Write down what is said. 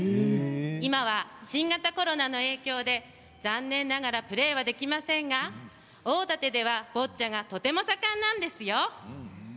今は新型コロナの影響で残念ながらプレーはできませんが大館ではボッチャがとても盛んなんですよ。